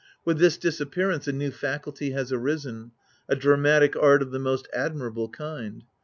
With this disappearance, a new faculty has arisen : a dramatic art of the most admirable kind.